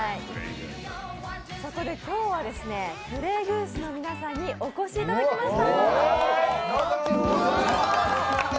そこで今日はＰｌａｙ．Ｇｏｏｓｅの皆さんにお越しいただきました。